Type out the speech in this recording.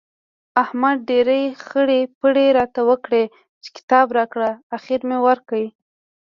احمد ډېرې خړۍ پړۍ راته وکړې چې کتاب راکړه؛ اخېر مې ورکړ.